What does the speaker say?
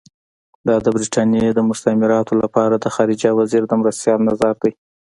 دا د برټانیې د مستعمراتو لپاره د خارجه وزیر د مرستیال نظر دی.